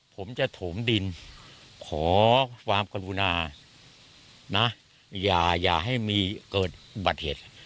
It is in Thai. ผมจะโถมดินขอความกรุณานะอย่าให้มีเกิดอุบัติเหตุ